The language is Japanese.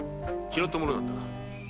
拾った物なんだ。